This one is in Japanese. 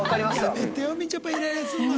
やめてよみちょぱイライラするの。